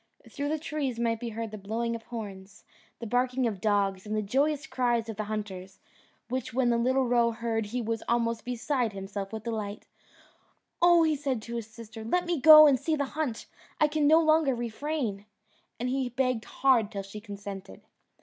Through the trees might be heard the blowing of horns, the barking of dogs, and the joyous cries of the hunters, which when the little roe heard he was almost beside himself with delight. "Oh," said he to his sister, "let me go and see the hunt: I can no longer refrain;" and he begged hard till she consented.